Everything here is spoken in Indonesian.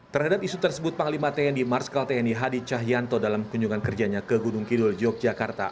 terhadap isu tersebut panglima tni marskal tni hadi cahyanto dalam kunjungan kerjanya ke gunung kidul yogyakarta